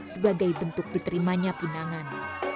sebagai bentuk diterimanya pinangan